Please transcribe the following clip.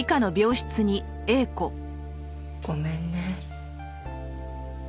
ごめんね。